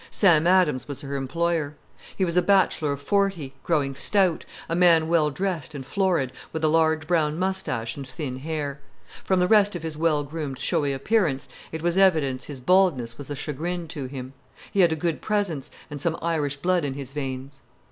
Sam Adams was her employer. He was a bachelor of forty, growing stout, a man well dressed and florid, with a large brown moustache and thin hair. From the rest of his well groomed, showy appearance, it was evident his baldness was a chagrin to him. He had a good presence, and some Irish blood in his veins.